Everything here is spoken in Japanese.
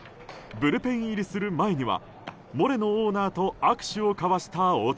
ブルペン入りする前にはモレノオーナーと握手を交わした大谷。